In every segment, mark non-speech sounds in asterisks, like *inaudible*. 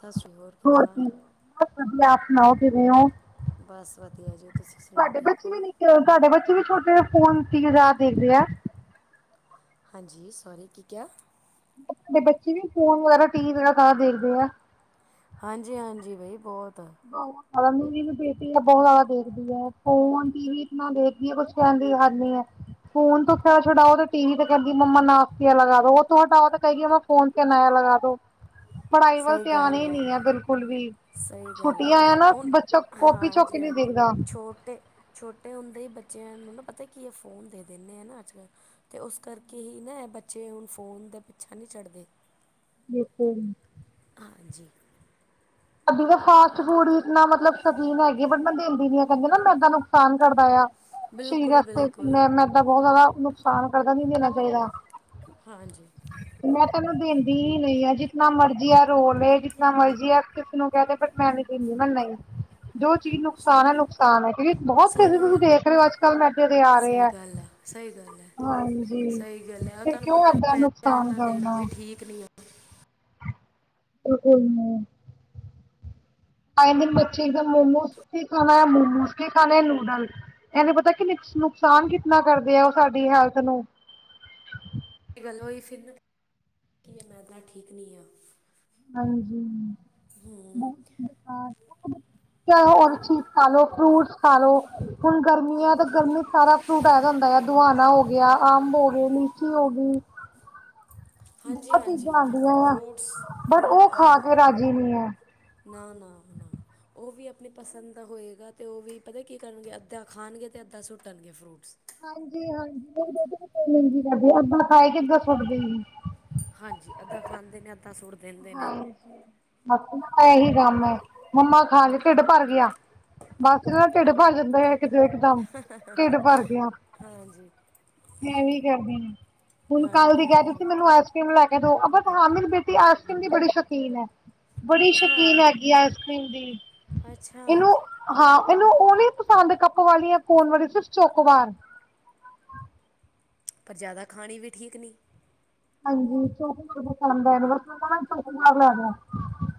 ਸਤਿ ਸ਼੍ਰੀ ਅਕਾਲ। ਹੋਰ ਕੀ ਬਸ ਵਧੀਆ, ਆਪ ਸੁਣਾਓ ਕਿਵੇਂ ਹੋ? ਬਸ ਵਧੀਆ ਜੀ, ਤੁਸੀਂ ਸੁਣਾਓ ਤੁਹਾਡੇ ਠੀਕ ਬੱਚੇ ਹੋ? ਵੀ ਤੁਹਾਡੇ ਬੱਚੇ ਵੀ ਛੋਟੇ ਆ? ਫੋਨ, ਟੀਵੀ ਜਾਦਾ ਦੇਖਦੇ ਆ। ਹਾਂਜੀ, ਸੋਰੀ ਕਿ ਕਿਆ? ਤੁਹਾਡੇ ਬੱਚੇ ਵੀ ਫੋਨ ਵਗੈਰਾ ਟੀਵੀ ਵਗੈਰਾ ਘਰ ਦੇਖਦੇ ਆ। ਹਾਂਜੀ- ਹਾਂਜੀ, ਬਾਈ ਬਹੁਤ। ਬਹੁ ਮੇਰੀ ਵੀ ਬੇਟੀ ਆ ਬਹੁਤ ਜ਼ਿਆਦਾ ਦੇਖਦੀ ਫੋਨ, ਟੀਵੀ ਇੰਨਾ ਦੇਖਦੀ ਏ, ਕੁਛ ਕਹਿਣ ਦੀ ਹਦ ਨਹੀਂ ਹੈ। ਫੋਨ ਤੋਂ ਖੈੜਾ ਛੁਡਾਓ, ਤੇ ਟੀਵੀ ਤੇ ਕਹਿੰਦੀ ਮੰਮਾ ਨਾਸਤੀਆ ਲਗਾ ਦੋ। ਓਥੋਂ ਹਟਾਓ ਤਾਂ ਕਹੇਗੀ ਫੋਨ ਤੇ ਨਇਆ ਲਗਾ ਦੋ, ਪੜਾਈ ਵੱਲ ਸਹੀ ਧਿਆਨ ਹੀ ਗੱਲ ਨੀ ਆ ਬਿਲਕੁਲ ਵੀ। ਸਹੀ ਗੱਲ ਆ, ਛੁੱਟੀਆਂ ਨਾ ਹੁਣ ਬੱਚਾ ਕਾਪੀ ਹਾਂ ਚੁੱਕ ਕੇ ਜੀ ਨਹੀਂ ਹਾਂਜੀ ਦੇਖਦਾ ਛੋਟੇ ਛੋਟੇ ਹੁੰਦੇ ਹੀ ਬੱਚਿਆਂ ਨੂੰ ਨਾ, ਪਤਾ ਕਿ ਐ, ਫੋਨ ਦੇ ਦਿੰਦੇ ਹੈ ਨਾ ਅੱਜ ਕੱਲ। ਤੇ ਉਸ ਕਰਕੇ ਹੀ ਨਾ, ਬੱਚੇ ਹੁਣ ਫ਼ੋਨ ਦਾ ਪਿੱਛਾ ਨਹੀਂ ਛੜਦੇ। ਬਿਲਕੁਲ ਹ ਹਾਂਜੀ। ਸਾਡੀ ਤਾਂ ਫਾਸਟ ਫੂਡ ਇਨਾ ਮਤਲਬ ਸ਼ੌਕੀਨ ਹੈਗੀ ਹੈ। ਬਟ ਮੈਂ ਦਿੰਦੀ ਨੀ ਆ, ਕਹਿੰਦੇ ਨਾ ਮੈਦਾ ਨੁਕਸਾਨ ਕਰਦਾ ਆ। ਸ਼ਰੀਰ ਬਿਲਕੁਲ ਅਸਤੇ, ਬਿਲਕੁਲ ਮੈਂ ਮੈਦਾ ਬਹੁਤ ਜ਼ਿਆਦਾ ਨੂ ਨੁਕਸਾਨ ਕਰਦਾ ਨਹੀ ਦੈਣਾ ਚਾਹੀਦਾ। ਹਾਂਜੀ ਮੈਂ ਤੈ ਇਨੂੰ ਦਿੰਦੀ ਹੀ ਨਹੀਂ ਆਾਂ।, ਜਿਤਨਾ ਮਰਜ਼ੀ ਆ ਰੋਲੇ ਜਿਤਨਾ ਮਰਜ਼ੀ ਆ। ਜੋ ਕਹਿ ਦੇ ਬਟ, ਮੈਂ ਨੀ ਦੇਦੀ ਨਾ, ਜੋ ਚੀਜ਼ ਨੂੰ ਨੁਕਸਾਨ ਹੈ, ਨੁਕਸਾਨ ਹੈ। ਕਿਉਂਕਿ, ਬਹੁਤ ਸਹੀ ਕਿਸਸੇ ਗੱਲ ਤੁਸੀਂ ਆ ਦੇਖ ਰਹੇ ਹੋ। ਅੱਜ ਕੱਲ ਮੈਡੇ ਦੇ ਆ ਰਹੇ ਸਹੀ ਹੈ। ਗੱਲ ਆ ਸਹੀ ਗੱਲ ਹਾਂਜੀ ਹੈ-ਸਹੀ ਗੱਲ ਹੈ। ਉਹ ਫਿਰ ਤੁਹਾਨੂੰ ਕਿਉਂ ਪਤਾ ਏਦਾਂ ਮੈਦਾ, ਨੁਕਸਾਨ ਇੰਨਾ ਦੇਣਾ ਕਰਨਾ ਵੀ ਠੀਕ ਨਹੀਂ ਹੈ। *unintelligible* ਆਏ ਦਿਨ, ਬੱਚੇ ਇੱਕਦਮ ਮੋਮੋਸ, ਕੀ ਖਾਣਾ ਮੋਮੋਸ, ਕੀ ਖਾਣਾ ਹੈ ਨੂਡਲ। ਇਹ ਨੀ ਪਤਾ ਕਿ ਨੁਕਸਾਨ ਕਿਤਨਾ ਕਰਦੇ ਆ। ਉਹ ਸਾਡੀ ਹੈਲਥ ਨੂੰ। ਇਹ ਗੱਲ ਹੈ ਉਹੀ ਫਿਰ, ਕੀ ਮੈਦਾ ਠੀਕ ਨਹੀਂ ਆ। ਹਾਂਜੀ, *unintelligible* ਚਾਹੇ ਔਰ ਚੀਜ਼ ਖਾਲੋ, ਫਰੂਟਸ ਖਾਲੋ, ਹੁਣ ਗਰਮੀ ਹੈ ਤੇ ਗਰਮੀ ਸਾਰਾ ਫਰੂਟ ਆ ਜਾਂਦਾ ਹੈ। ਦੁਆਣਾ ਹੋ ਗਿਆ, ਅੰਬ ਹੋ ਗਏ, ਲੀਚੀ ਹੋ ਗਈ। ਹਾਂਜੀ- ਬਹੁਤ ਚੀਜ਼ਾਂ ਹਾਂਜੀ, ਆਉਂਦੀਆਂ ਆ ਫਰੂਟਸ ਬਟ ਹੁਣ ਉਹ ਹਾ ਖਾ ਕੇ ਰਾਜੀ ਨਹੀਂ ਹੈ ਨਾ ਨਾ ਨਾ, ਉਹ ਵੀ ਅਪ ਆਪਣੀ ਪਸੰਦ ਦਾ ਹੋਏਗਾ ਤੇ ਉਹ ਵੀ ਪਤਾ ਕੀ ਕਰਨਗੇ, ਅੱਧਾ ਖਾਣਗੇ ਤੇ ਅੱਧਾ ਸੁੱਟਣਗੇ ਫਰੂਟਸ। ਹਾਂਜੀ ਹਾਂਜੀ, *unintelligible* ਅੱਦਾ ਖਾਏਗੀ ਅੱਦਾ ਸੁੱਟ ਦੇਗੀ। ਹਾਂਜੀ, ਅੱਧਾ ਖਾਂਦੇ ਨੇ ਅੱਧਾ ਸੁੱਟ ਦਿੰਦੇ ਨੇ। ਹਾਂਜੀ *unintelligible* ਇਹੀ ਕੰਮ ਹੈ, ਮੰਮਾ ਖਾ ਲੇ ਢਿੱਡ ਭਰ ਗਿਆ। ਬਸ ਐਨਾ ਦਾ ਢਿੱਡ ਭਰ ਜਾਂਦਾ ਹੈ ਇੱਕ ਇੱਕਦਮ, ਢਿੱਡ ਭਰ ਗਿਆ। ਹਾਂਜੀ ਐ ਵੀ ਕਰਦੀ ਹਾਂ, ਹੁਣ ਕੱਲ ਹਾਂਜੀ ਦੀ ਕਹਿ ਰਹੀ ਸੀ ਹਾਂਜੀ ਮੈਨੂੰ ਐਸ ਕਰੀਮ ਲੈ ਕੇ ਦੋ, ਆਪਾ *unintelligible* ਹਾਂ ਮੇਰੀ ਬੇਟੀ ਆਈਸਕ੍ਰੀਮ ਦੀ ਬੜੀ ਸ਼ੌਕੀਨ ਹੈ। ਬੜੀ ਅੱਛਾ ਸ਼ੌਕੀਨ ਹੈਗੀ ਹੈ, ਆਈਸ ਕਰ੍ਰੀਮ ਦੀ, ਅੱਛਾ ਇਹਨੂੰ ਹਾਂ, ਉਹ ਨੀ ਪਸੰਦ ਕੱਪ ਵਾਲੀ ਹੈ, ਕੋਨ ਵਾਲੀ ਸਿਰਫ਼ ਚੋਕੋਵਾਰ। ਪਰ, ਜ਼ਿਆਦਾ ਖਾਣੀ ਵੀ, ਠੀਕ ਨਹੀਂ। ਹਾਂਜੀ, ਸ- ਦਾ ਬਸ, ਉਹ ਸ਼ੋਕ ਚੁੱਕਬਾਰ ਲੈਦਾ।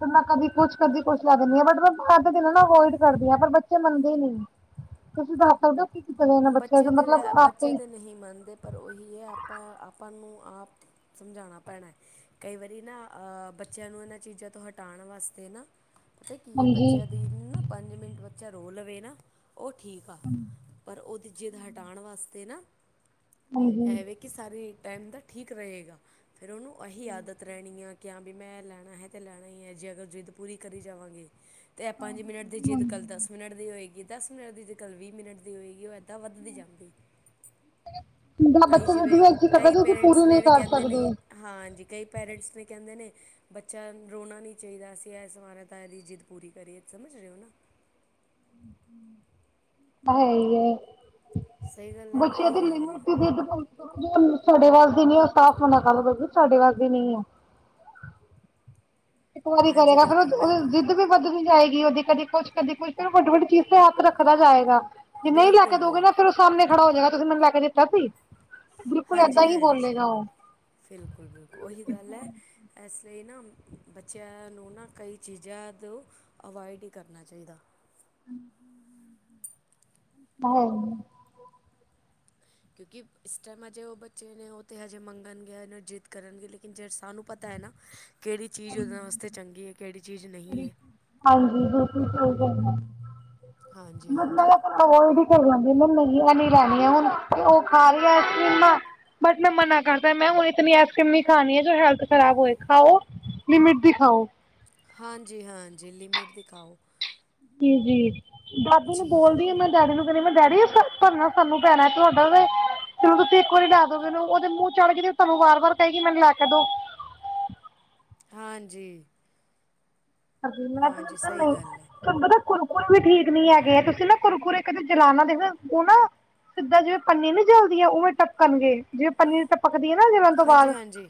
ਤੇੈਂ, ਕਦੀ ਕੁਛ, ਕਦੀ ਕੁਛ। ਮੈਂ ਦੁਆ ਦਿੰਦੀ ਆਂ। ਬਟ ਮੈਂ ਬਾਰ ਦੀ ਚੀਜ਼ ਅਵੋਇਡ ਕਰਦੀ ਆਂ, ਬੱਚੇ ਮੰਨਦੇ ਨਹੀਂ। ਕੀ ਕੀਤਾ ਜਾਏ ਇਹਨਾਂ ਬੱਚਿਆਂ ਚ ਬੱਚੇ ਤਾਂ, ਮਤਲਬ ਵਿ ਆਪੇ ਬੱਚੇ ਤਾਂ ਨਹੀਂ ਮੰਨਦੇ, ਪਰ ਉਹੀ ਹੈ। ਆਪਾਂ, ਆਪਾਂ ਨੂੰ ਆਪ। ਸਮਝਾਉਣਾ ਪੈਣਾ ਹੈ। ਕਈ ਵਾਰੀ ਨਾ ਅਹ ਬੱਚਿਆਂ ਨੂੰ, ਇਹਨਾਂ ਚੀਜ਼ਾਂ ਤੋਂ, ਹਟਾਉਣ ਵਾਸਤੇ ਨਾ। ਪਤਾ ਕੀ ਹੈ। ਹਾਂਜੀ ਬੱਚਿਆਂ ਦੀ ਨਾ ਪੰਜ ਮਿੰਟ ਬੱਚਾ ਰੋ ਲਵੇ ਨਾ, ਉਹ ਠੀਕ ਆ। ਹਮ *inaudible* ਪਰ ਉਹਦੀ, ਜਿੱਦ ਹਟਾਉਣ ਵਾਸਤੇ ਨਾ, ਹਾਂਜੀ ਇਹਵੇਂ। ਕਿ ਸਾਰੇ ਇਕ ਟਾਈਮ ਦਾ ਠੀਕ ਰਹੇਗਾ ਫਿਰ ਉਹਨੂੰ, ਇਹੀ ਆਦਤ ਰਹਿਣੀ ਆ। ਕਿ ਹਾਵੀ ਮੈਂ, ਲੈਣਾ ਹੈ ਤਾਂ ਲੈਣਾ ਹੀ ਹੈ, ਜੇ ਅਗਰ ਜਿੱਦ ਪੂਰੀ ਕਰੀ ਜਾਵਾਂਗੇ। ਅਤੇ ਇਹ ਪੰਜ ਮਿੰਟ ਦੀ ਜਿੱਦ, ਕੱਲ੍ਹ ਦਸ ਮਿੰਟ ਦੀ ਹੋਏਗੀ। ਦਸ ਮਿੰਟ ਦੀ ਜਿੱਦ, ਕੱਲ ਵੀਹ ਮਿੰਟ ਦੀ ਹੋਏਗੀ। ਉਹ ਤਾਂ, ਵੱਧਦੀ ਜਾਂਦੀ ਹੈ। ਜਿੱਦਾਂ ਕਈ ਬੱਚੇ ਦੀ ਜਿਵੇਂ, ਤੁਸੀਂ ਅੱਛੀ ਕਰਦਾ ਕਈ ਤੁਸੀਂ ਪੇਰੈਂਟਸ ਪੂਰੀ ਨਹੀਂ ਕਰ ਕਹਿੰਦੇ, ਸਕਦੇ ਨੇ ਹਾਂਜੀ, ਕਈ ਪੇਰੈਂਟਸ ਨੇ ਕਹਿੰਦੇ ਨੇ, ਬੱਚਾ ਰੋਣਾ ਨਹੀਂ ਚਾਹੀਦਾ ਅਸੀਂ ਇਸ ਵਾਰਾਤ, ਇਹ ਦੀ ਜਿੱਦ। ਪੂਰੀ ਕਰੀਏ, ਸਮਝ ਰਹੇਓ ਨਾ। ਹੈ ਹੀਏ ਸਹੀ ਗੱਲ ਹੈ ਨਾ ਬੱਚੇ ਅੱਗੇ ਇਹੀ ਦੇਨ ਗੱਲ ਹੈ *unintelligible* ਦੀ। ਜੋ ਸਾਡੇ ਵਾਸ ਦੀ ਨਹੀਂ, ਉਹ ਸਾਫ ਨਾ ਕਰ, ਸਾਡੇ ਵਾਸਦੀ ਨਹੀਂ ਹ। ਇੱਕ ਵਾਰੀ ਹਾਂਜੀ ਕਰੇਗਾ। ਫਿਰਰ ਬਿਲਕੁਲ ਉਹ, ਬਿਲਕੁਲ ਜਿੱਦ ਵੀ ਵੱਧ ਨਹੀਂ ਜਾਏਗੀ। ਉਹਦੀ ਕਦੇ ਕੁਛ, ਕਦੇ ਕੁਛ, ਫਿਰ ਉਹ, ਵੱਡੀ ਵੱਡੀ ਚੀਜ਼। ਕਿ, ਹਥ ਰੱਖਦਾ ਜਾਏਗਾ ਜੇ ਨਹੀਂ ਲੈ ਬਿਲਕੁਲ ਕੇ ਦੋਗੇ ਨਾ, ਫੇਿਰ ਉਹ ਬਿਲਕੁਲ ਸਾਹਮਣੇ ਖੜਾ ਹੋ ਜਾਏਗਾ ਤੁਸੀਂ ਮੈਨੂੰ ਲੈ ਕੇ ਦਿੱਤਾ ਸੀ। ਬਿਲਕੁਲ, ਹਾਂਜੀ ਏਦਾਂ ਹੀ ਹਾਂਜੀ ਬੋਲੇਗਾ ਉਹ ਬਿਲਕੁਲ, ਬਿਲਕੁਲ, ਉਹੀ ਗੱਲ ਹੈ। ਇਸ, ਲਈ ਨਾ ਬੱਚਿਆਂ ਨੂੰ ਨਾ ਕਈ ਚੀਜ਼ਾਂ ਤੋਂ, ਅਵਾਇਡ ਹੀ, ਕਰਨਾ ਚਾਹੀਦਾ। *inaudible* ਅਹੁ ਕਿਉਂਕਿ, ਇਸ ਟਾਈਮ ਹਜੇ ਉਹ ਬੱਚੇ ਨੇ ਉਹ ਤੇ ਹਜੇ ਮੰਗਣਗੇ। ਜਿੱਦ ਕਰਨਗੇ ਲੇਕਿਨ ਜੇ ਸਾਨੂੰ, ਪਤਾਂ ਹੈ। ਹੈ ਨਾ ਕਿਹੜੀ ਚੀਜ਼ ਉਹਨਾ ਵਾਸਤੇ ਚੰਗੀ ਹੈ ਕਿਹੜੀ ਚੀਜ਼ ਨਹੀਂ ਹੈ। ਹਾਂਜੀ ਬਿਲਕੁਲ ਸਹੀ ਗੱਲ ਹੈ ਹਾਂਜੀ ਹਾਂਜੀ। ਮਤਲਬ ਓਹ ਅਵੋਇਢ ਕਰੀ ਜਾਂਦੀ ਮੈ ਨੀ ਲੈਣੀਆਂ ਹੁਣ ਤੇ ਉਹ ਖਾ ਰਹੀ ਆਈਸਕ੍ਰੀਮਾ। ਬਟ ਮੈਂ ਮਨਾ ਕਰਦਾ ਮੈਂ ਹੁਣ ਇਨੀ ਆਸਕਰ੍ਰੀਮ ਨਹੀ ਖਾਣੀ ਹੈ ਜੋ ਹੈਲਥ ਖਰਾਬ ਹੋਏ ਖਾਉ ਲਿਮਿਟ ਦੀ ਖਾਓ। ਹਾਂਜੀ ਹਾਂਜੀ ਲਿਮਿਟ ਦੀ ਖਾਓ। ਜੀ ਜੀ ਬਾਪੂ ਨੂੰ ਜੀ ਬੋਲਦੀ ਹਾਂ ਮੈਂ ਡੈਡੀ ਨੂੰ ਕਹਿੰਦੀ ਮੈਂ ਡੈਡੀ ਭਰਨਾ ਸਾਨੂੰ ਪੈਣਾ ਤੁਹਾਡਾ ਤੇ ਤੇ ਤੁਸੀਂ ਇੱਕ ਵਾਰੀ ਲੈ ਦੋ ਮੈਨੂੰ ਉਹਦੇ ਮੂੰਹ ਚੜ ਗਈ ਤੁਹਾਨੂੰ ਵਾਰ ਵਾਰ ਕਹਿਈ ਮੈਨੂੰ ਲੈ ਕੇ ਦੋ। ਹਾਂਜੀ। ਪਰਨਾ ਹਾਂਜੀ ਤਾਂ ਸਹੀ ਨਹੀਂ। ਗੱਲ ਹੈ ਤੁਹਾਨੂੰ, ਪਤਾ ਕੁਰਕੁਰ ਵੀ ਠੀਕ ਨੀ ਹੈਗੇ ਹੈ। ਤੁਸੀਂ ਨਾ ਕੁਰਕੁਰੇ ਕਦੇ ਜਲਾਨਣਾ ਦੇਖ, ਉਹ ਨਾ। ਸਿੱਧਾ ਜਿਵੇਂ ਪੰਨੀ ਨਿ ਜਲਦੀ ਹੈ। ਉਵੇਂ ਟਪਣਗੇ, ਜਿਵੇਂ ਪੰਨੀ ਟਪਕਦੀ ਹੈ ਨਾ ਜਲੰ ਤੋਂ ਹਾਂਜੀ ਬਾਅਦ। ਹਾਂਜੀ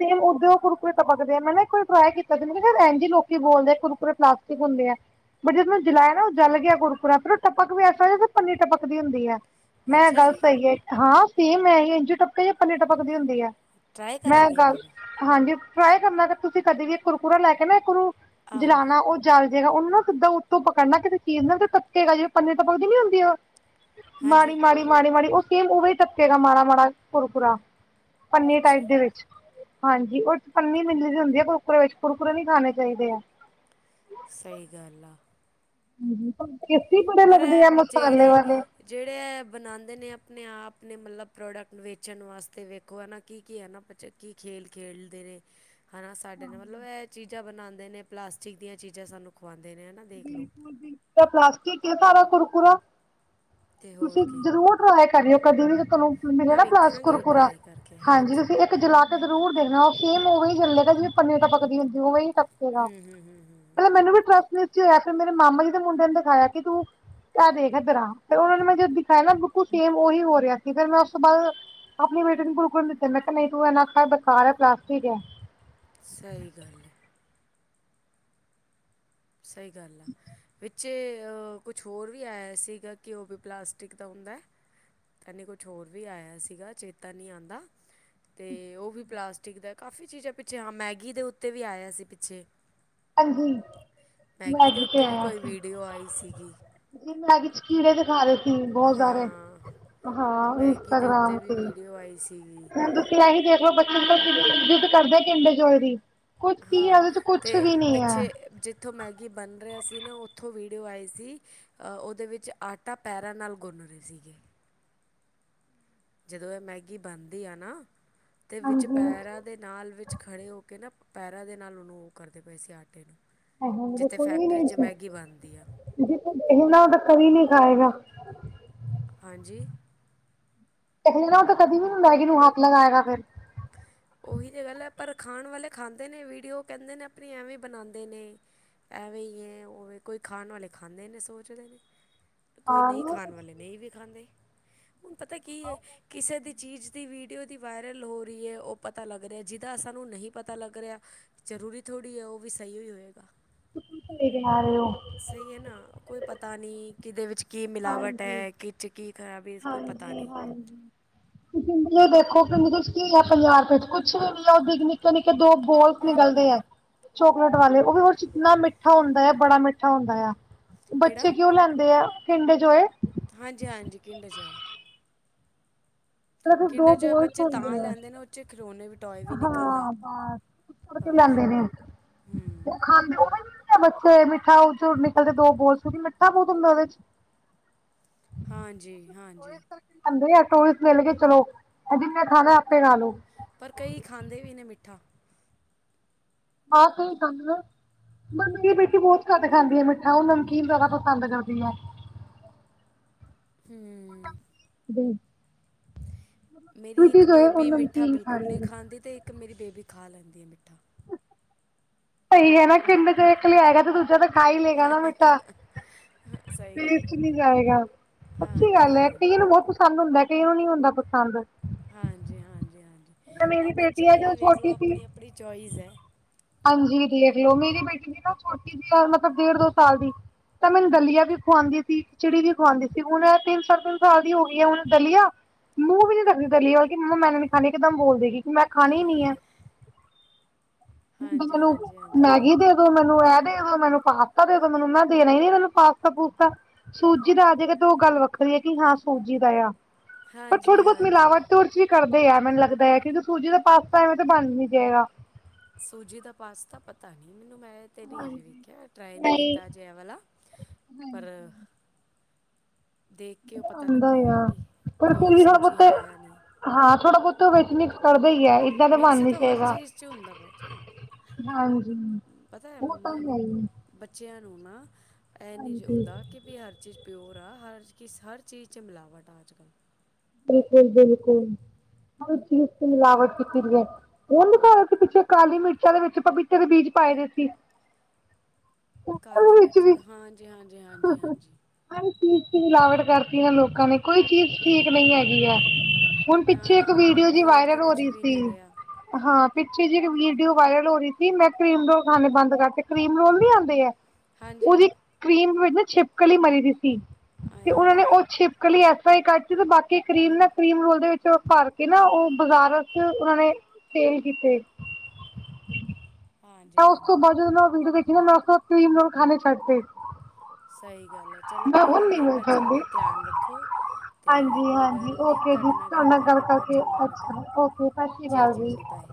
ਸੇਮ, ਉਓਦਕ ਕੁਰਕੁਰੇ, ਟਪਕਦੇ ਦੇ ਆ ਮੈਂ ਨਾ ਕੋਈ ਟਰਾਈ ਕੀਤਾ ਸੀ। ਇਿੰਦੇ ਲੋਕੀ ਬੋਲਦੇ ਏ ਕੁਰਕੁਰੇ ਪਲਾਸਟਿਕ ਹੁੰਦੇ ਆ। ਪਰ ਜਦ ਮੈ ਜਲਾਇਆ ਨਾ ਜਲ ਗਿਆ ਕੁਰਕਰਾ ਫਿਰ, ਟਪਕ ਵੀ ਐਸਾ। ਪੰਨੀ, ਟਪਕਦੀ ਹੁੰਦੀ ਹੈ ਮੈਂ ਅੱਛਾ ਗੱਲ ਜੀ ਸਹੀ ਹੈ। ਹਾਂ ਸੇਮ ਹੈ ਹੀ, ਇੰਝ ਟਪ ਜਾਂ ਪੰਨੀ ਟਪਕਦੀ ਹੁੰਦੀ ਹੈ ਟਰਾਈ ਮੈਂ ਕਰਾਂਗੇ ਗੱਲ, ਵੀ ਹਾਂਜੀ, ਟਰਾਈ ਕਰਨਾ ਕਿ ਤੁਸੀਂ, ਕਦੇ ਵੀ ਇੱਕ ਕੁਰਕੁਰਾ ਲੈ ਕੇ ਨਾ, ਇੱਕ ਨੂੰ ਆਹੋ ਜਲਾਉਣਾ, ਉਹ ਜੰਲ ਜੈਗਾ ਉਹਨਾ ਨਾ ਸਿੱਧਾ, ਉੱਤੋਂ ਪਕੜਨਾ ਕਿਸੇ ਚੀਜ਼ ਨਾਲ ਟਪਕੇਗਾ ਜੀਵੇ ਪੰਨੀੇ ਤਾਂ ਪਕਦੀ ਨੀ ਹੁੰਦੀ। ਮਾੜੀ ਹਾਂਜੀ ਮਾੜੀ, ਮਾੜੀ ਮਾੜੀ, ਉਹ ਸੇਮ, ਉਵੇ ਟਪਕੇਗਾ ਮਾੜਾ ਮਾੜਾ, ਕੁਰਕੁਰਾ ਪੰਨੀ ਟਾਈਪ ਅੱਛਾ ਦੇ ਵਿੱਚ, ਹਾਂਜੀ, ਉਹਥ ਪੰਨੀ ਮਲੀ ਦੀ ਹੁੰਦੀ ਹੈ ਕੁਰਕੁਰੇ, ਵਿੱਚ ਕੁੁਰਕੁਰੇ ਨੀ ਖਾਣੇ ਚਾਹੀਦੇ ਆ। ਸਹੀ ਗੱਲ ਆ। ਪਰ ਟੇਸਟੀ ਬੜੇ ਪਰ ਲੱਗਦੇ ਇਹ ਆ ਮਸਾਲੇ ਜਿਹੜੇ ਵਾਲੇ। ਜਿਹੜੇ ਬਣਾਉਂਦੇ ਨੇ ਆਪਣੇ ਆਪ ਨੇ ਮਤਲਬ ਪ੍ਰੋਡਕਟ ਵੇਚਣ ਵਾਸਤੇ ਵੇਖੋ ਹੈ ਨਾ ਕੀ ਕੀ ਹੈ ਨਾ ਕੀ ਖੇਲ ਖੇਡਦੇ ਨੇ। ਹਨਾ ਸਾਡੇ ਨੇ ਮਤਲਬ ਇਹ ਚੀਜ਼ਾਂ ਬਣਾਉਂਦੇ ਨੇ ਪਲਾਸਟਿਕ ਦੀਆਂ ਚੀਜ਼ਾਂ ਸਾਨੂੰ ਖਵਾਉਂਦੇ ਨੇ ਹਨਾ। ਬਿਲਕੁਲ ਬਿਲਕੁਲ ਪਲਾਸਟਿਕ ਹੈ ਸਾਰਾ ਕੁਰਕੁਰਾ। ਅਤੇ ਹੋਰ ਤੁਸੀਂ ਕੀ ਜਰੂਰ ਟਰਾਈ ਕਰ ਰਹੇ ਹੋ ਕਦੇ ਵੀ ਤੁਹਾਨੂੰ ਮਿਲੇ ਮੈਂ ਨਾ ਪਲਾਸਟਿਕ ਵੇਖਾਂਗੀ ਕੁਰਪੁਰਾ ਟਰਾਈ ਕਰਕੇ ਹਾਂਜੀ ਤੁਸੀਂ ਇਕ ਜਲਾ ਕੇ ਜ਼ਰੂਰ ਦੇਖਣਾ ਉਹ ਸੇਮ ਉਵੇਹੀ ਹੀ ਚੱਲੇਗਾ ਜਿਵੇਂ ਪੰਨੀ ਟਪਕਦੀ ਹੁੰਦੀ ਉਵੇ ਸਚੀ ਦਸ, ਹੂੰ ਹੂੰ ਪਹਿਲੇ ਮੈਨੂੰ ਵੀ ਟਰਸਟ ਕੁਛ ਨੀ ਹੋਇਆ, ਫਿਰ ਮੇਰੇ ਮਾਮਾ ਜੀ ਦੇ ਮੁੰਡੇ ਨੂੰ ਦਿਖਾਇਆ ਕੀ ਤੂੰ, ਤੇ ਐ ਦੇਖ, ਇੱਧਰ ਆ। ਫੇਰ ਉਹਨਾ ਨੇ ਮੈਂ ਜੋਂ ਦਿਖਾਇਆ ਨਾ, ਬਿਲਕੁਲ ਸੇਮ ਉਹੀ ਹੋ ਰਿਹਾ ਸੀ, ਫਿਰ ਮੈਂ ਉਸ ਤੋਂ ਬਾਅਦ ਆਪਣੇ ਬੇਟੇ ਨੂੰ ਬਿਲਕੁਲ ਨਹੀਂ ਦਿੱਤੇ, ਮੈਂ ਕਿਹਾ ਨਹੀਂ ਤੂੰ ਇੰਨਾ ਨਾ ਖਾ, ਬੈਕਾਰ ਹੈ ਪਲਾਸਟਿਕ ਹੈ। ਸਹੀ ਗੱਲ ਹੈ। ਸਹੀ ਗੱਲ ਆ, ਵਿੱਚ ਜੇ ਕੁਛ ਹੋਰ ਵੀ ਆਇਆ ਸੀਗਾ, ਕਿ ਉਹ ਵੀ ਪਲਾਸਟਿਕ ਦਾ ਹੁੰਦਾ। ਕਹਿੰਦੇ ਕੁਛ ਹੋਰ ਵੀ ਆਇਆ ਸੀਗਾ, ਚੇਤਾ ਨਹੀਂ ਆਉਂਦਾ ਤੇ ਉਹ ਵੀ ਪਲਾਸਟਿਕ ਦਾ, ਕਾਫੀ ਚੀਜ਼ਾਂ ਪਿੱਛੇ ਹਾਂ ਮੈਗੀ ਦੇ ਉੱਤੇ ਵੀ ਆਇਆ ਸੀ ਪਿੱਛੇ। ਹਾਂਜੀ। ਮੈਗੀ ਦੇ ਉੱਤੇ ਵੀ ਕੋਈ ਵੀਡੀਓ ਆਈ ਸੀਗੀ। ਇਹ ਮੈਗੀ ਚ ਕੀੜੇ ਦਿਖਾ ਰਹੇ ਬਹੁਤ ਸਾਰੇ ਹਾਂ ਹਾਂ ਮੈਗੀ ਦੇ ਇੰਸਟਾਗ੍ਰਾਮ ਉੱਤੇ ਵੀ ਤੇ। ਵੀਡੀਓ ਆਈ ਸੀਗੀ ਤੇ ਇਹੀ ਦੇਖਲੋ ਬੱਚੇ ਨੂੰ ਜਿੱਦ ਕਰਦੇ ਜਲਦੀ, ਕੁੱਛ ਕੀ ਹੈ ਹਾਂ ਉਹਦੇ ਚ ਕੁਛ ਅਤੇ ਵੀ ਨੀ ਹੈ ਪਿੱਛੇ ਜੀਥੋਂ ਮੈਗੀ ਬਣ ਰਿਹਾ ਸੀ ਨਾ ਉੱਥੋਂ ਵੀਡੀਓ ਆਈ ਸੀ, ਉਹਦੇ ਵਿੱਚ ਆਟਾ ਤਾਂ ਪੈਰਾਂ ਨਾਲ ਗੁੰਨ ਰਹੇ ਸੀਗੇ। ਜਦੋਂ ਇਹ ਮੈਗੀ ਬਣਦੀ ਆ ਨਾ, ਤੇ ਵਿੱਚ ਹਾਂਜੀ ਪੈਰਾਂ ਦੇ ਨਾਲ ਵਿੱਚ ਖੜ੍ਹੇ ਹੋ ਕੇ ਨਾ ਪੈਰਾਂ ਦੇ ਨਾਲ ਉਹਨੂੰ ਉਹ ਕਰਦੇ ਪਏ ਸੀ ਆਟੇ ਨੂੰ। ਜਿੱਥੇ ਸੁਣੀ ਵੀ ਫੈਕਟਰੀ ਨਹੀਂ 'ਚ ਮੈਗੀ ਬਣਦੀ ਆ ਜੀ, ਸੁਣਾ ਉਹ ਤਾਂ ਕਦੀ ਨਹੀਂ ਖਾਏਗਾ ਹਾਂਜੀ ਸੁਣਾ, ਤਾਂ ਕਦੀ ਵੀ ਨਾ ਮੈਗੀ ਨੂੰ ਹੱਥ ਲਗਾਏਗਾ ਫ਼ਿਰ ਹ *unintelligible* ਉਹੀ ਤਾਂ ਗੱਲ ਹੈ, ਪਰ ਖਾਣ ਵਾਲੇ ਖਾਂਦੇ ਨੇ ਵੀਡੀਓ ਕਹਿੰਦੇ ਨੇ, ਆਪਣੀ ਐਵੇਂ ਬਣਾਉਂਦੇ ਨੇ ਐਵੇਂ ਹੀ ਹੈ, ਉਹਵੇ ਕੋਈ ਖਾਣ ਵਾਲੇ ਖਾਂਦੇ ਨੇ, ਸੋਚਦੇ ਨੇ ਕੋਈ ਹਾਂ ਨਹੀਂ ਖਾਣ ਵਾਲੇ ਨਹੀਂ ਵੀ ਖਾਂਦੇ, ਹੁਣ ਪਤਾ ਕੀ ਹੈ, ਕਿਸੇ ਦੀ ਚੀਜ਼ ਦੀ ਵੀਡੀਓ ਦੀ ਵਾਇਰਲ ਹੋ ਰਹੀ ਹੈ, ਉਹ ਪਤਾ ਲੱਗ ਰਿਹਾ, ਜਿਹਦਾ ਸਾਨੂੰ ਨਹੀਂ ਪਤਾ ਲੱਗ ਰਿਹਾ ਜ਼ਰੂਰੀ ਥੋੜ੍ਹੀ ਹੈ, ਉਹ ਵੀ ਸਹੀ ਵੀ ਹੋਏਗਾ ਤੁਸੀ ਕੀ ਗਿਣਾ ਰਹੇ ਹੋ ਸਹੀ ਹੈ ਨਾ, ਕੋਈ ਪਤਾ ਨਹੀਂ ਕਿਦੇ ਵਿੱਚ ਕੀ ਮਿਲਾਵਟ ਹਾਂਜੀ ਹੈ, ਕਿ ਕੀ ਖ਼ਰਾਬੀ- ਹਾਂਜੀ ਹਾਂਜੀ। ਇਹ ਦੇਖੋ, ਕੀ ਮਿਲਿਆ ਪੰਜਾਹ ਰੁਪਏ ਵਿੱਚ, ਕੁਛ ਵੀ ਨੀ ਉਹ ਨਿੱਕੇ ਨਿੱਕੇ ਦੋ ਬੋਲਸ ਨਿਕਲਦੇ ਹੈ। ਚੋਕਲੇਟ ਵਾਲੇ, ਉਹ ਵੀ ਔਦੇ ਚ ਇਹਨਾਂ ਮਿੱਠਾ ਹੁੰਦਾ ਆ, ਬੜਾ ਮਿੱਠਾ ਹੁੰਦਾ ਆ। ਕਿਹੜਾ ਬੱਚੇ ਕਿਉਂ ਲੈਂਦੇ ਐ, ਕਿੰਡਰ ਜੋਏ? ਹਾਂਜੀ ਹਾਂਜੀ, ਕਿੰਡਰ ਜੋਏ। ਸਿਰਫ ਦੋ ਕਿੰਡਰ ਜੋਏ ਬੋਲਸ ਬੱਚੇ ਤਾਂ ਹੁੰਦੇ ਆ ਲੈਂਦੇ ਨੇ, ਉੱਚੇ ਖਿਲੋਣੇ ਵਿੱਚ ਹਾਂ ਬਸ, ਔ ਤੇ ਬਸ ਲੈਂਦੇ ਨੇ, ਹੂੰ ਉਹ ਖਾਂਦੇ ਬੱਚੇ ਮੀਠਾ ਉਹ ਚ ਨਿਕਲਦੇ ਦੋ ਬੋਲਸ, ਕਿਉਂਕਿ ਮੀਠਾ ਬਹੁਤ ਹੁੰਦਾ ਉਹਦੇ ਚ। ਹਾਂਜੀ ਹਾਂਜੀ। ਅੰਦਰ ਹੀ ਹੱਥ, ਟੂਲਸ ਮਿਲ ਗਏ ਚਲੋ, ਉਹ ਜਿੰਨੇ ਖਾਣਾ ਆਪੇ ਖਾ ਲਓ। ਪਰ ਕਈ ਖਾਂਦੇ ਵੀ ਨੇ ਮਿੱਠਾ ਹਾ ਕਈ ਖਾਂਦੇ ਨੇ ਬਲਕਿ ਮੇਰੀ ਬੇਟੀ ਬਹੁਤ ਘੱਟ ਖਾਂਦੀ ਹੈ ਮਿੱਠਾ, ਉਹ ਨਮਕੀਨ ਜ਼ਿਆਦਾ ਪਸੰਦ ਕਰਦੀ ਆ ਹੂ ਜੀ ਮੇਰੀ ਇੱਕ ਜੋ ਹੈ ਉਹ ਬੇਬੀ ਮਿੱਠਾ ਨਮਕੀਨ ਖਾ ਬਿਲਕੁਲ ਨਹੀਂ ਲੇਗੀ। ਖਾਂਦੀ, ਤੇ ਇੱਕ ਮੇਰੀ ਬੇਬੀ ਖਾ ਲੈਂਦੀ ਹੈ ਮਿੱਠਾ ਸਹੀ ਹੈ ਕਿੰਡਰ ਜੋਏ ਇੱਕ ਲਿਆਗਾ, ਤੇ ਦੂਜਾ ਤ ਖਾਈ ਲੇਗਾ ਨਾ ਮਿੱਠਾ, ਹਾਂ ਸਹੀ ਗੱਲ ਵੇਸਟ ਆ ਨਹੀਂ ਜਾਏਗਾ ਅਛੀ ਹਾਂਜੀ ਗੱਲ ਹੈ, ਕਈਆਂ ਨੂੰ ਹਾਂਜੀ ਬਹੁਤ ਪਸੰਦ ਹੁੰਦਾ, ਕਈਆਂ ਨੂੰ ਨੀ ਹੁੰਦਾ ਪਸੰਦ ਹਾਂਜੀ ਹਾਂਜੀ ਹਾਂਜੀ, ਇਹ ਮੇਰੀ ਬੇਟੀ ਬੱਚਿਆਂ ਹੈ ਦੀ ਜੋ ਵੀ ਵੇਖ ਲਓ, ਛੋਟੀ ਸੀ ਆਪਣੀ ਆਪਣੀ ਚੋਇਸ ਹੈ ਹਾਂਜੀ ਦੇਖ ਲਓ ਮੇਰੀ ਬੇਟੀ ਦੀ ਨਾ ਛੋਟੀ ਸੀ ਯਾਰ ਮਤਲਬ ਡੇਢ ਦੋ ਸਾਲ ਦੀ ਤਾਂ ਮੈਨੂੰ ਦਲੀਆ ਵੀ ਖੁਵਾਉਂਦੀ ਸੀ ਖਿਚੜੀ ਵੀ ਖੁਵਾਉਂਦੀ ਸੀ ਹੁਣ ਤਿੰਨ ਸਾਲ ਤਿੰਨ ਸਾਲ ਦੀ ਹੋ ਗਈ ਹੈ ਹੁਣ ਦਲੀਆ ਮੂੰਹ ਵੀ ਨੀ ਦਖਦੀ ਤਰਲੀਲ ਕਿ ਮ ਮੰਮਾੈੂੰ ਨੀ ਖਾਣੀ ਇੱਕਦਮ ਬੋਲ ਦੇਗੀ ਕਿ ਮੈਂ ਖਾਣੀ ਹੀ ਨ ਹੈ ਹਾਂ ਹੁਣ ਤਾਂ ਹਾਂਜੀ ਮੈਨੂੰ ਹਾਂਜੀ ਹਾਂਜੀ ਮੈਗੀ ਦੇ ਮੈਨੂੰ ਇਹ ਦੇ ਦੋ ਮੈਨੂੰ ਪਾਸਤਾ ਦੇ ਦੋ ਮੈਨੂੰ ਮੈਂ ਦੇਣਾ ਹੀਈ ਨ ਮੈਨੂੰ ਪਾਸਤਾ ਪੂਸਤਾ ਸੂਜੀ ਦਾ ਆ ਜੇਗਾ ਤੇ ਉਹ ਗੱਲ ਵੱਖਰੀ ਹੈ ਕਿ ਹਾਂ ਸੂਜੀ ਦਾ ਆ ਪਰ ਹਾਂਜੀ ਥੋੜੀ ਬਹੁਤ ਮੀ ਲ ਹਾਂਜੀ ਆਵਟੇ ਹੋਰ ਕਰਦੇ ਆ ਮੈਨੂੰ ਲੱਗਦਾ ਹੈ ਕਿਕ ਸੂਜੀ ਦਾ ਪਾਸਤਾ ਐਵੇਂ ਤਾਂ ਬਣ ਨੀ ਜਾਏਗਾ ਸੂਜੀ ਦਾ ਪਾਸਤਾ ਪਤਾ ਨੀ ਮੈਨੂੰ ਮੈਂ ਤੇ ਨਹੀਂ ਅਜੇ ਹਾਂਜੀ ਵੇਖਿਆ ਟਰਾਈ ਨਹੀਂ ਕੀਤਾ ਅਜੇ ਵਾਲਾ ਪਰ ਦੇਖ ਕੇ ਉਹ ਪਤਾ ਆਉਂਦਾ ਹੀ ਲੱਗੇਗਾ ਆ ਕਿ ਪਰ ਫਿਰ ਪਿਓਰ ਵੀ ਸ ਸੂਜੀ ਪੁੱਤੇ ਹੈ ਜਾਂ ਨਹੀਂ ਹਾਂ ਥੋੜਾ ਬਹੁਤ ਵਿੱਚ ਮਿਕਸ ਕਰਦਾ ਹੀ ਹੈ ਏਦਾਂ ਤਾਂ ਬਣ ਮਿਕਸੀ ਨੀ ਤੋਂ ਹਰ ਸਕੇਗਾ ਚੀਜ਼ ਚ ਹੁੰਦਾ ਵਚਾ ਹਾਂਜੀ ਉਹ ਤਾਂ ਹੈ ਹੀ ਬੱਚਿਆਂ ਨੂੰ ਨਾ ਇਹ ਨਹੀਂ ਹਾਂਜੀ ਹੁੰਦਾ ਕਿ ਵੀ ਹਰ ਚੀਜ਼ ਪਿਓਰ ਆ ਹਰ ਚ ਹਰ ਚੀਜ਼ 'ਚ ਮਿਲਾਵਟ ਆ ਅੱਜ ਕੱਲ੍ਹ ਬਿਲਕੁਲ ਬਿਲਕੁਲ ਚੀਜ਼ ਤ ਲਵਤੀ ਕਿਟ ਉਹਨਾਂ ਸੀ ਪਿੱਛੇ ਕਾਲੀ ਮਿਰਚਾਂ ਦੇ ਵਿੱਚ ਪਪੀਤੇ ਦੇ ਬੀਜ ਪਾਏ ਵੀ ਸੀ। ਕਾਲੀ ਉਹਦੇ ਵਿੱਚ ਮਿਰਚ ਵੀ ਹਾਂਜੀ ਹਾਂਜੀ ਹਾਂਜੀ ਹਾਂਜੀ। ਹਰ ਇੱਕ ਚੀਜ਼ ਤੇ ਮਿਲਾਵਟ ਕਰਤੀ ਏ ਲੋਕਾਂ ਨੇ ਕੋਈ ਚੀਜ਼ ਠੀਕ ਨਹੀਂ ਹੈਗੀ ਏ। ਹੁਣ ਨਾ ਪਿੱਛੇ ਇੱਕ ਨਾ ਵੀਡੀਓ ਜੀ ਪਿਓਰ ਤਾਂ ਵਾਇਰਲ ਹੋ ਕੁਛ ਰਹੀ ਵੀ ਸੀ। ਨਹੀਂ ਰਿਹਾ ਹਾਂ ਪਿੱਛੇ ਜਿ ਇੱਕ ਵੀਡੀਓ ਵਾਇਰਲ ਹੋ ਰਹੀ ਸੀ ਮੈਂ ਕਰੀਮ ਰੋਲ ਖਾਣੇ ਬੰਦ ਕਰਤੇ ਕਰੀਮ ਰੋਲ ਨੀ ਆਉਂਦੇ। ਹਾਂਜੀ ਉਹਦੀ ਕਰੀਮ ਵਿੱਚ ਨਾ ਛਿਪਕਲੀ ਮਰੀ ਵੀ ਸੀ, ਤੇ ਆਏ ਉਹਨਾਂ ਨੇ ਹਾਏ ਉਹ ਛਿਪ ਚਿਪਕਲੀ ਇਸ ਤਰ੍ਹਾਂ ਹੀ ਕੱਟ ਦਿੱਤੀ ਜ ਬਾਕੀ ਕਰੀਮ ਨਾ ਕਰੀਮ ਰੋਲ ਦੇ ਵਿੱਚ ਭਰ ਕੇ ਨਾ ਉਹ ਬਾਜ਼ਾਰ ਚ ਉਹਨਾਂ ਨੇ ਸੇਲ ਕੀਤੇ। ਹਾਂਜੀ ਤਾਂ ਉਸ ਤੋਂ ਹਾਂਜੀ ਬਾਅਦ ਮੈਂ ਵੀਡੀਓ ਦੇਖ ਲੀ ਨਾ ਉਸ ਤੁ ਖਾ ਛਡਤੇ। ਸਹੀ ਗੱਲ ਏ, ਚਲੋ ਕੋਈ ਹੁਣ ਗੱਲ ਨੀ ਨਹੀਂ ਮੈਂ ਬੱਚਿਆਂ ਖਾਂਦੀ ਦਾ ਧਿਆਨ ਰੱਖੋ। ਅਤੇ ਕੋਈ ਗੱਲ ਹਾਂਜੀ-ਹਾਂਜੀ ਨਹੀਂ ਓਕੇ ਜੀ ਤੁਹਾਡੇ ਨਾਲ ਗੱਲ ਕਰਕੇ ਬਹੁਤ ਚੰਗਾ ਲੱਗਾ ਅੱਛਾ ਓਕੇ ਸਤਿ ਸ਼੍ਰੀ ਜੀ ਅਕਾਲ ਜੀ ਜੀ ਬਾਏ